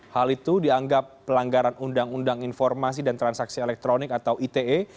hal itu dianggap pelanggaran undang undang informasi dan transaksi elektronik atau ite